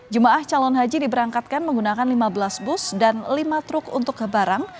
jemaah calon haji diberangkatkan menggunakan lima belas bus dan lima truk untuk barang